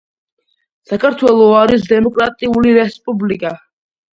საქართველო არის დემოკრატიული რესპუბლიკა